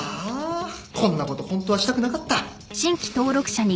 こんなことホントはしたくなかった！